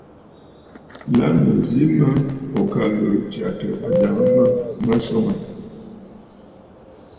La mə̀ zi mə ò ka ghɨ̀rə tsyàtə ajàŋə mə mə̀ swòŋə aà.